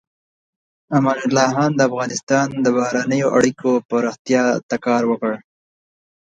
امان الله خان د افغانستان د بهرنیو اړیکو پراختیا ته کار وکړ.